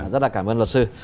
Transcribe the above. rất là cảm ơn luật sư